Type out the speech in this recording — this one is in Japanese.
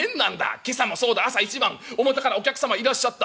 今朝もそうだ朝一番表からお客様いらっしゃった。